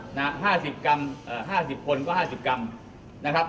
ห้าสิบคนก็ห้าสิบกรรมนะครับ